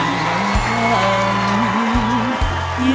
ไม่ใช้